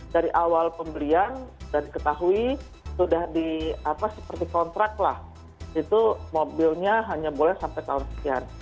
dari awal pembelian sudah diketahui sudah seperti kontrak lah itu mobilnya hanya boleh sampai tahun sekian